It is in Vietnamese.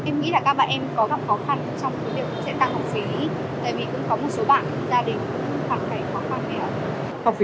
em nghĩ là các bạn em có gặp khó khăn trong cuộc đời sẽ tăng học phí